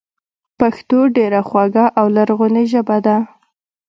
پښتو ډېره خواږه او لرغونې ژبه ده